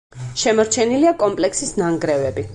შემორჩენილია კომპლექსის ნანგრევები.